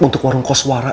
untuk warung koswara